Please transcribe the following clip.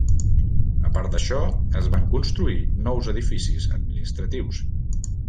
A part d'això, es van construir nous edificis administratius.